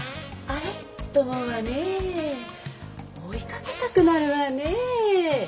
追いかけたくなるわねえ？